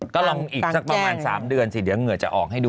ก็ลองอีกสักประมาณ๓เดือนสิเดี๋ยวเหงื่อจะออกให้ดู